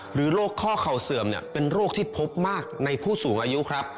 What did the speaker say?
โรคข้อเข่าเสื่อมเป็นโรคที่พบมากในผู้สูงอายุครับ